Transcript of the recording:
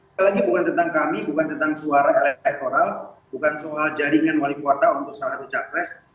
sekali lagi bukan tentang kami bukan tentang suara elektoral bukan soal jaringan wali kota untuk salah satu capres